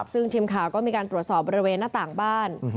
ซึ่งทีมข่าวก็มีการตรวจสอบบริเวณหน้าต่างบ้าน